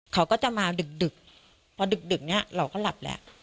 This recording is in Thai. เขาก็จะมาดึกพอดึกเนี่ยเราก็หลับแล้ว